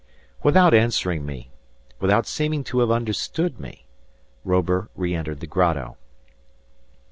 Without answering me, without seeming to have understood me, Robur reentered the grotto.